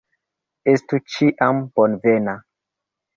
Estu ĉiam bonvena!